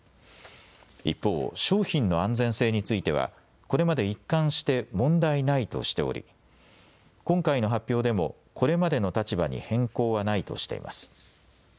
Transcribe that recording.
一方、商品の安全性についてはこれまで一貫して問題ないとしており今回の発表でもこれまでの立場に変更はないとしています。